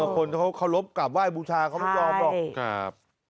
คนเขาเคารพกลับไหว้บูชาเขาไม่ยอมหรอก